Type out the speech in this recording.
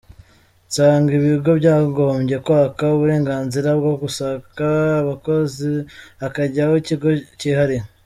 Nsanga ibigo byagombye kwakwa uburenganzira bwo gushaka abakozi hakajyaho ikigo kihariye.